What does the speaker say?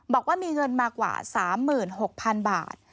บอกว่ามีเงินมากว่า๓๖๐๐๐บาท